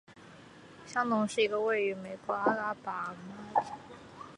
香农是一个位于美国阿拉巴马州杰佛逊县的非建制地区。